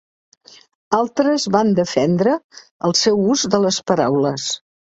Altres van defendre el seu ús de les paraules.